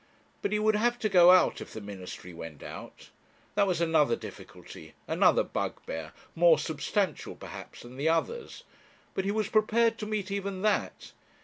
But he would have to go out if the ministry went out. That was another difficulty, another bugbear, more substantial perhaps than the others; but he was prepared to meet even that.